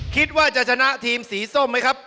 คิดว่าจะชนะทีมสีส้มไหมครับ